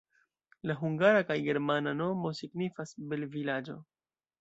La hungara kaj la germana nomo signifas "bel-vilaĝo".